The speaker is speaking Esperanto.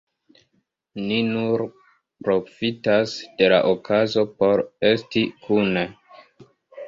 Ni nur profitas de la okazo por esti kune.